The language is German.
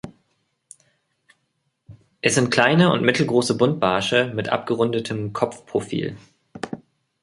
Es sind kleine und mittelgroße Buntbarsche mit abgerundetem Kopfprofil.